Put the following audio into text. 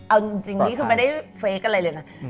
เอาจริงนี่คือไม่ได้เฟคอะไรเลยนะ